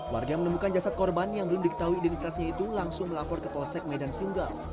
warga menemukan jasad korban yang belum diketahui identitasnya itu langsung melapor ke polsek medan sunggal